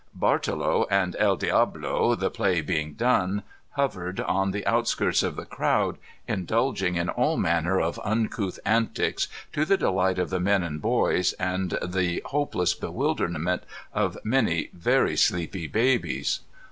Bartolo and El Diablo^ the play being done, hovered on the outskirts of the crowd, indulging in all manner of uncouth antics, to the deUght of the men and boys and the hopeless bewilderment of many very sleepy babies.